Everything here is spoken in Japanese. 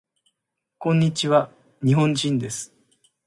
こんにちわ。日本人です。